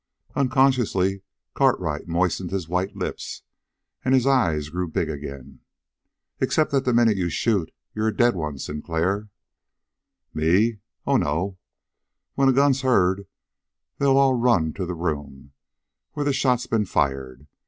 Unconsciously Cartwright moistened his white lips, and his eyes grew big again. "Except that the minute you shoot, you're a dead one, Sinclair." "Me? Oh, no. When a gun's heard they'll run to the room where the shot's been fired.